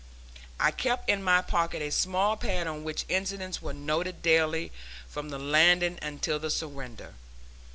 I kept in my pocket a small pad on which incidents were noted daily from the landing until the surrender.